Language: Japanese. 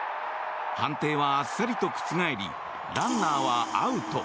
判定は、あっさりと覆りランナーはアウト。